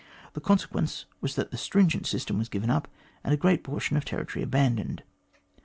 The consequence was that the stringent system was given up and a great portion of territory abandoned.